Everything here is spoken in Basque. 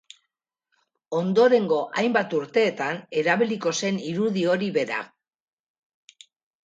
Ondorengo hainbat urteetan erabiliko zen irudi hori bera.